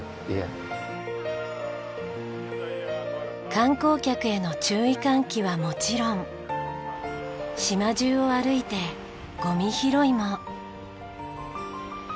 観光客への注意喚起はもちろん島じゅうを歩いてゴミ拾いも。